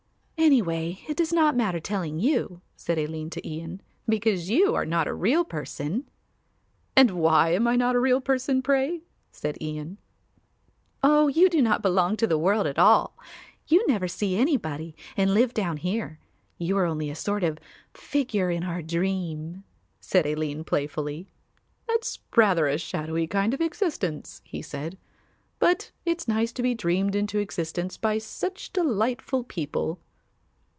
"Anyway it does not matter telling you," said Aline to Ian, "because you are not a real person." "And why am I not a real person, pray?" said Ian. "Oh, you do not belong to the world at all; you never see anybody and live down here; you are only a sort of figure in our dream," said Aline playfully. "That's rather a shadowy kind of existence," he said, "but it's nice to be dreamed into existence by such delightful people."